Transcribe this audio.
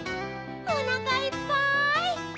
おなかいっぱい！